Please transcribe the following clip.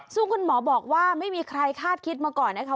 ซึ่งคุณหมอบอกว่าไม่มีใครคาดคิดมาก่อนนะคะ